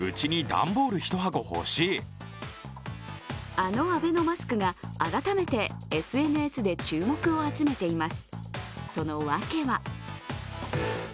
あの、アベノマスクが改めてＳＮＳで注目を集めています。